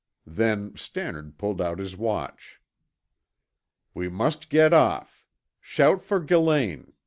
Then Stannard pulled out his watch. "We must get off. Shout for Gillane.